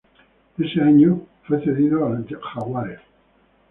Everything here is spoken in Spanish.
Ese año fue cedido al Jaguares.